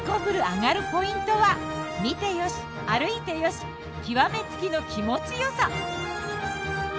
アガるポイントは見てよし歩いてよし極め付きの気持ちよさ。